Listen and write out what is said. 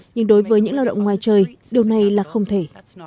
nhưng đối với những lao động ngoài trời điều này là không thể